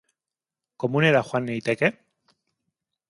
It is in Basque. Komunera joan naiteke?